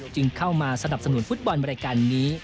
เข้ามาสนับสนุนฟุตบอลบริการนี้